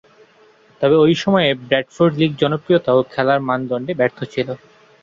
তবে, ঐ সময়ে ব্রাডফোর্ড লীগ জনপ্রিয়তা ও খেলার মানদণ্ডে ব্যর্থ ছিল।